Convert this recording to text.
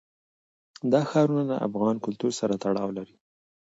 دا ښارونه له افغان کلتور سره تړاو لري.